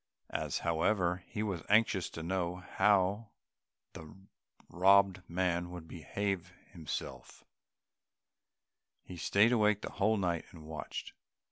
As, however, he was anxious to know how the robbed man would behave himself, he stayed awake the whole night and watched.